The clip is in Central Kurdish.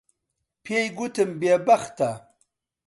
پێی گوتم بێبەختە.